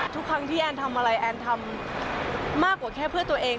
ทุกครั้งที่แอนทำอะไรแอนทำมากกว่าแค่เพื่อตัวเอง